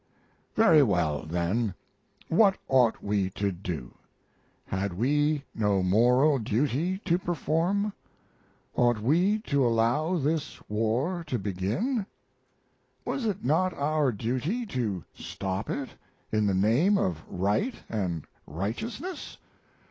Very well, then what ought we to do? Had we no moral duty to perform? Ought we to allow this war to begin? Was it not our duty to stop it, in the name of right and righteousness?